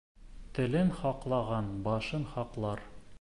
Телен һаҡлаған башын һаҡлар.